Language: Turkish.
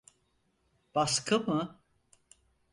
Baskı mı?